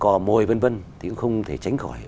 cò mồi v v thì cũng không thể tránh khỏi